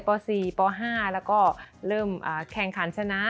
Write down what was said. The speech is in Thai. ป๔ป๕แล้วก็เริ่มแข่งขันชนะ